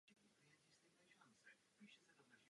Každá tato trať má dvě varianty.